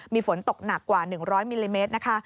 มีฝนตกหนักกว่า๑๐๐มิลลิเมตรนะคะ